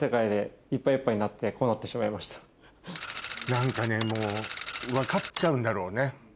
何かねもう分かっちゃうんだろうね。